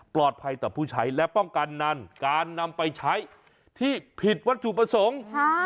ต่อผู้ใช้และป้องกันนั้นการนำไปใช้ที่ผิดวัตถุประสงค์